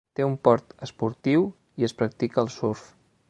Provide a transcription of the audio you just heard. Té un port esportiu i es practica el surf.